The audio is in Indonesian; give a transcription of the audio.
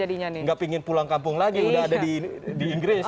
rasanya udah gak pengen pulang kampung lagi udah ada di inggris